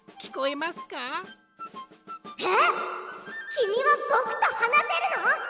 きみはぼくとはなせるの？